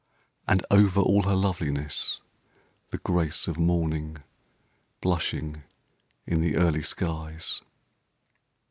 And over all her loveliness, the grace Of Morning blushing in the early skies.